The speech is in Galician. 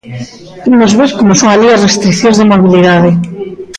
Imos ver como son alí as restricións de mobilidade.